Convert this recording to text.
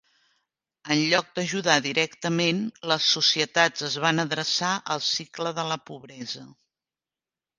En lloc d'ajudar directament, les societats es van adreçar al cicle de la pobresa.